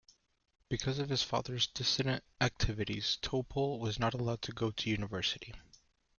Because of his father's dissident activities, Topol was not allowed to go to university.